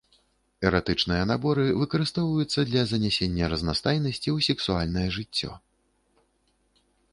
Эратычныя наборы выкарыстоўваюцца для занясення разнастайнасці ў сексуальнае жыццё.